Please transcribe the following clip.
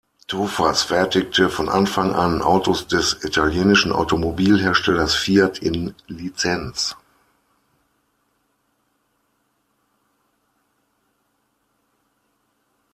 Tofaş fertigte von Anfang an Autos des italienischen Automobilherstellers Fiat in Lizenz.